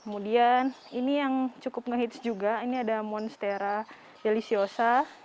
kemudian ini yang cukup ngehits juga ini ada monstera yelisiosa